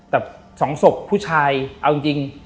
แต่๒ศพผู้ชายเอาจริง